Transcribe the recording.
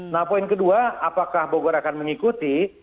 nah poin kedua apakah bogor akan mengikuti